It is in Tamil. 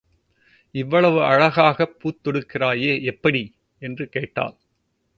இவ்வளவு அழகாகப் பூத் தொடுக்கிறாயே எப்படி? என்று கேட்டாள்.